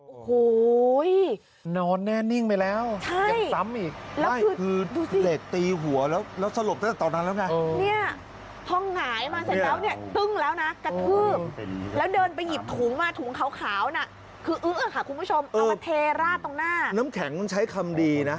โอ้โหนอนแน่นิ่งไปแล้วใช่ยังซ้ำอีกไล่คือเหล็กตีหัวแล้วแล้วสลบตั้งแต่ตอนนั้นแล้วไงเนี่ยพอหงายมาเสร็จแล้วเนี่ยตึ้งแล้วนะกระทืบแล้วเดินไปหยิบถุงมาถุงขาวน่ะคืออึ้งอะค่ะคุณผู้ชมเอามาเทราดตรงหน้าน้ำแข็งมันใช้คำดีนะ